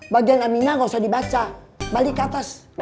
bagian aminah gausah dibaca balik ke atas